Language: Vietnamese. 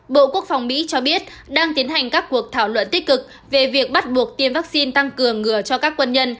bộ quốc phòng mỹ cho biết đang tiến hành các cuộc thảo luận tích cực về việc bắt buộc tiêm vaccine tăng cường ngừa cho các quân nhân